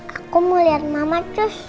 aku mau liat mama cus